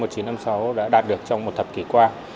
đó là những kết quả mà chúng tôi đã đạt được trong một thập kỷ qua